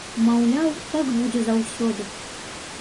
Маўляў, так будзе заўсёды.